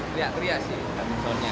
teriak teriak sih kan suaranya